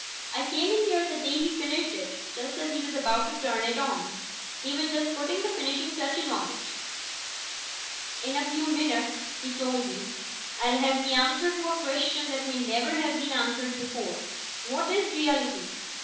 I came in here the day he finished it, just as he was ready to turn it on. He was just putting the finishing touches on it. "In a few minutes," he told me, "I'll have the answer to a question that may never have been answered before: what is reality?